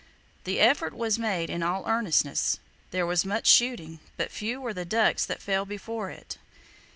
The effort was made in all earnestness. There was much shooting, but few were the ducks that fell before it.